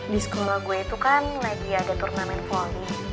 di sekolah gue itu kan lagi ada turnamen volley